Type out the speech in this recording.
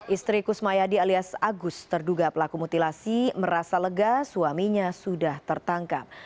istri kusmayadi alias agus terduga pelaku mutilasi merasa lega suaminya sudah tertangkap